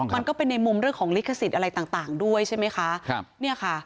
มันก็เป็นในมุมเรื่องของลิขสิทธิ์อะไรต่างด้วยใช่ไหมคะ